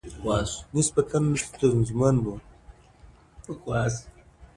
نسبتاً ستونزمن ؤ